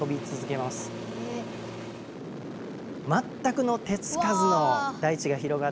全くの手付かずの大地がうわ！